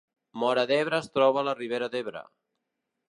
Móra d’Ebre es troba a la Ribera d’Ebre